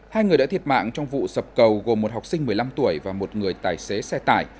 hai người đã thiệt mạng trong vụ sập cầu gồm một học sinh một mươi năm tuổi và một người tài xế xe tải